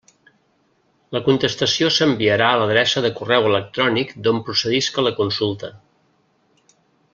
La contestació s'enviarà a l'adreça de correu electrònic d'on procedisca la consulta.